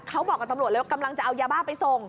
เขาบอกกับตำรวจเลยว่ากำลังจะเอายาบ้าไปส่ง